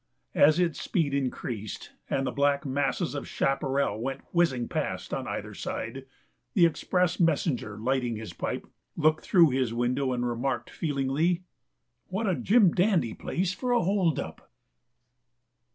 As its speed increased, and the black masses of chaparral went whizzing past on either side, the express messenger, lighting his pipe, looked through his window and remarked, feelingly: "What a jim dandy place for a hold up!"